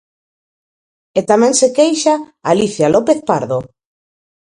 E tamén se queixa Alicia López Pardo.